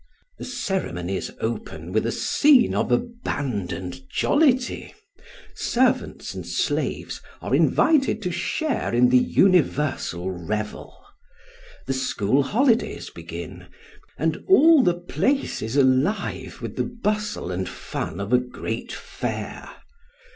The ceremonies open with a scene of abandoned jollity; servants and slaves are invited to share in the universal revel; the school holidays begin; and all the place is alive with the bustle and fun of a great fair.